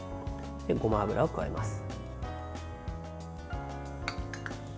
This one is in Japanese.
ごま油を加えます。